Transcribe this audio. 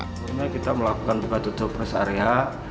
sebenarnya kita melakukan buka tutup res area